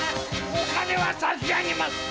・お金は差し上げます！